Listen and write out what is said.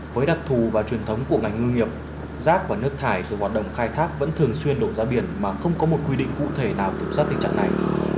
với đặc thù và truyền thống của ngành ngư nghiệp rác và nước thải của hoạt động khai thác vẫn thường xuyên đổ ra biển mà không có một quy định cụ thể nào kiểm soát tình trạng này